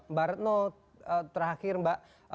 mbak retno terakhir mbak